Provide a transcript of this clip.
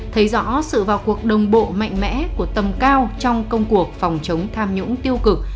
thấy rõ sự vào cuộc đồng bộ mạnh mẽ của tầm cao trong công cuộc phòng chống tham nhũng tiêu cực